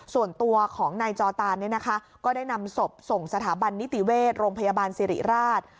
ส่วนตัวของนายจอตานเนี่ยนะคะก็ได้นำศพส่งสถาบันนิติเวชโรงพยาบาลสิริราช